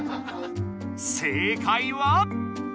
正解は？